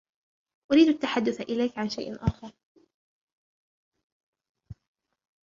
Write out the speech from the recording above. أريد التحدث اليك عن شيء آخر.